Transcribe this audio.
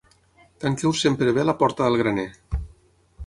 Tanqueu sempre bé la porta del graner.